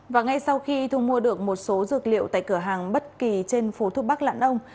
và ngay sau khi thu mua được một số dược liệu tại cửa hàng bất kỳ trên phố thuốc bắc lãn ông